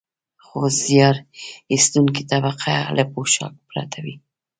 خو زیار ایستونکې طبقه له پوښاک پرته وي